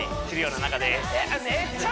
するような仲ですえっ